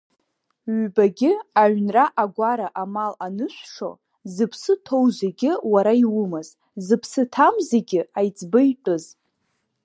Ҩбагьы, аҩнра-агәара амал анышәшо, зыԥсы ҭоу зегьы уара иумаз, зыԥсы ҭам зегьы аиҵбы итәыз.